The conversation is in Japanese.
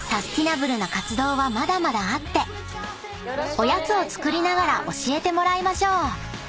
［おやつを作りながら教えてもらいましょう］